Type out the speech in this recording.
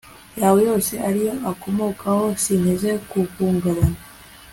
yawe yose ariyo akomokaho, sinteze guhungabana